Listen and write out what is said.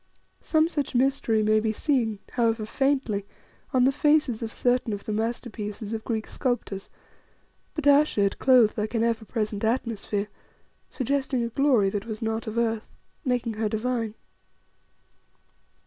Some such mystery may be seen, however faintly, on the faces of certain of the masterpieces of the Greek sculptors, but Ayesha it clothed like an ever present atmosphere, suggesting a glory that was not of earth, making her divine.